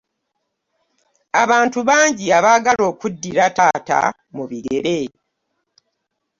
Abantu bangi abaagala okuddira taata mu bigere.